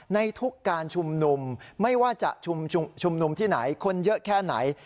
ในทุกการชุมนุมไม่ว่าจะชุมนุมที่ไหนคนเยอะแค่ไหน